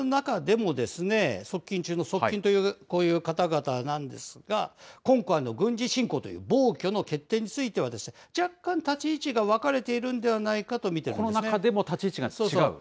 こうした側近の中でも、側近中の側近という、こういう方々なんですが、今回の軍事侵攻という暴挙の決定については、若干立ち位置が分かれているんではないかと見ているんですね。